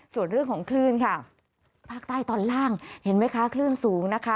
ส่วนเรื่องของคลื่นค่ะภาคใต้ตอนล่างเห็นไหมคะคลื่นสูงนะคะ